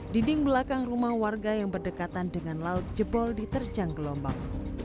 dinding belakang rumah warga yang berdekatan dengan laut jebol diterjang gelombang